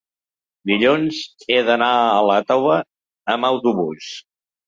Dilluns he d'anar a Iàtova amb autobús.